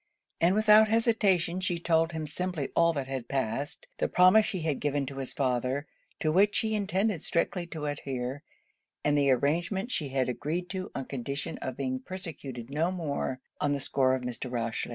And without hesitation she told him simply all that had passed; the promise she had given to his father, to which she intended strictly to adhere, and the arrangement she had agreed to on condition of being persecuted no more on the score of Mr. Rochely.